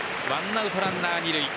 １アウトランナー二塁。